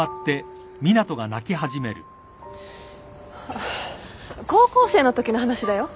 あっ高校生のときの話だよ。